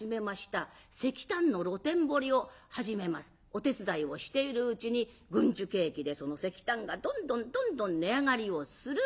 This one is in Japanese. お手伝いをしているうちに軍需景気でその石炭がどんどんどんどん値上がりをする。